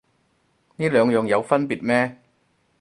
呢兩樣有分別咩